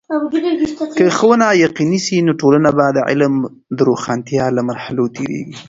که ښوونه یقيني سي، نو ټولنه به د علم د روښانتیا له مرحلو تیریږي.